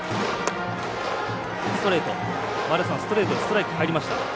ストレートでストライク入りました。